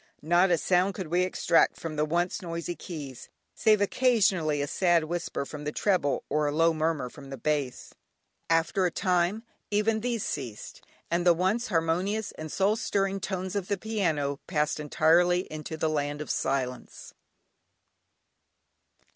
Not a sound could we extract from the once noisy keys, save occasionally a sad whisper from the treble, or a low murmur from the bass. After a time, even these ceased, and the once harmonious and soul stirring tones of the piano, passed entirely into the Land of Silence.